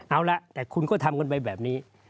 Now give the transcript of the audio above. เอาละแต่คุณก็ทำกันไปแบบนี้